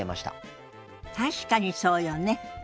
確かにそうよね。